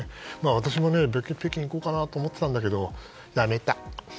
私も北京に行こうかなと思っていたんだけど、やめた。